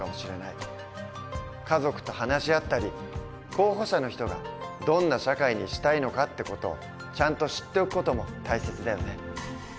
家族と話し合ったり候補者の人がどんな社会にしたいのかって事をちゃんと知っておく事も大切だよね。